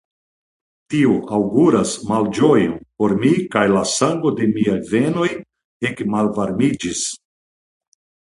Tio aŭguras malĝojon por mi kaj la sango de miaj vejnoj ekmalvarmiĝis.